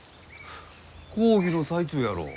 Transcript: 講義の最中やろう。